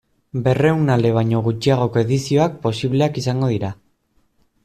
Berrehun ale baino gutxiagoko edizioak posibleak izango dira.